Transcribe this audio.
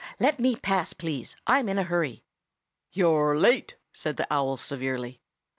"Let me pass, please. I'm in a hurry." "You're late!" said the owl severely.